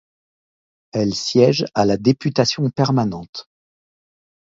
Elle siège à la députation permanente.